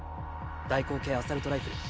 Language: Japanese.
大口径アサルトライフル。